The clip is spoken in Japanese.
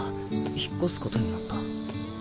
引っ越すことになった。